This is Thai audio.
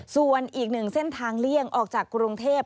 ส่วนอีกหนึ่งเส้นทางเลี่ยงออกจากกรุงเทพ